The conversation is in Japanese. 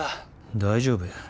大丈夫や。